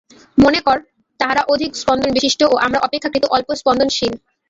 মনে কর, তাহারা অধিক স্পন্দনবিশিষ্ট ও আমরা অপেক্ষাকৃত অল্প স্পন্দনশীল।